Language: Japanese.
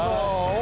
お。